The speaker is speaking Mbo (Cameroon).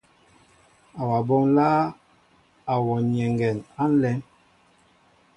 Awaɓó nláá a wɔ nyɛŋgɛ á nlém.